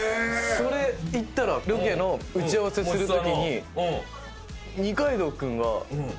それいったらロケの打ち合わせするときに二階堂君が。何？